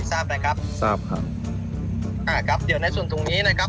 ทราบไหมครับทราบครับอ่าครับเดี๋ยวในส่วนตรงนี้นะครับ